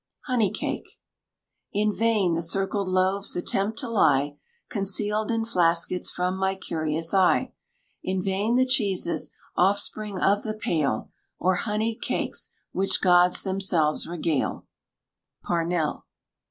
HONEY CAKE. In vain the circled loaves attempt to lie Concealed in flaskets from my curious eye; In vain the cheeses, offspring of the pail, Or honeyed cakes, which gods themselves regale. PARNELL.